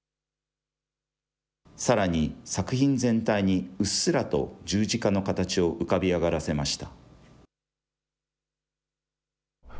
さらに作品全体にうっすらと十字架の形を浮かび上がらせました。